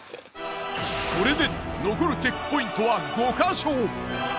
これで残るチェックポイントは５か所。